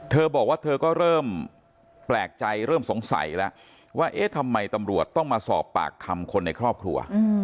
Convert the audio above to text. เธอบอกว่าเธอก็เริ่มแปลกใจเริ่มสงสัยแล้วว่าเอ๊ะทำไมตำรวจต้องมาสอบปากคำคนในครอบครัว